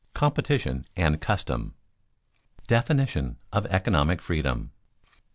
COMPETITION AND CUSTOM [Sidenote: Definition of economic freedom] 1.